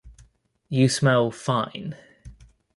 You smell fine.